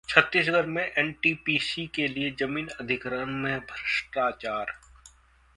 छत्तीसगढ़ में एनपीटीसी के लिए जमीन अधिग्रहण में भ्रष्टाचार